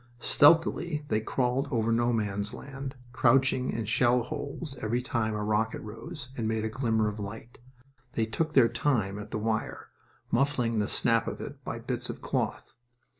Stealthily they crawled over No Man's Land, crouching in shell holes every time a rocket rose and made a glimmer of light. They took their time at the wire, muffling the snap of it by bits of cloth.